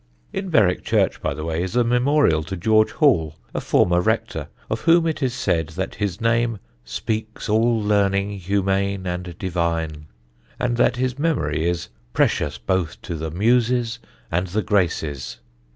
In Berwick church, by the way, is a memorial to George Hall, a former rector, of whom it is said that his name "speaks all learning humane and divine," and that his memory is "precious both to the Muses and the Graces."